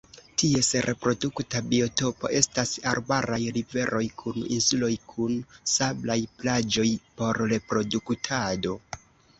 Ties reprodukta biotopo estas arbaraj riveroj kun insuloj kun sablaj plaĝoj por reproduktado.